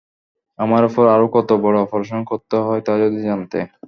আমার উপর আরও কত বড় অপারেশন করতে হয় তা যদি জানতে।